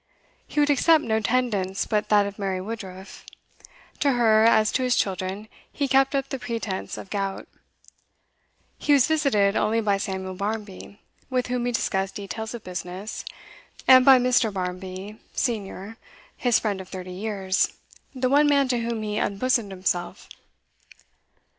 He would accept no tendance but that of Mary Woodruff; to her, as to his children, he kept up the pretence of gout. He was visited only by Samuel Barmby, with whom he discussed details of business, and by Mr. Barmby, senior, his friend of thirty years, the one man to whom he unbosomed himself.